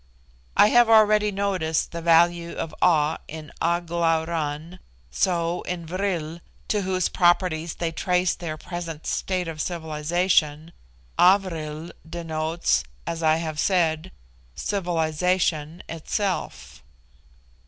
I have already noticed the value of A in A glauran, so, in vril (to whose properties they trace their present state of civilisation), A vril, denotes, as I have said, civilisation itself.